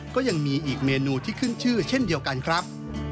ก็ยังมีอีกเมนูที่ขึ้นชื่อเช่นเดียวกันครับ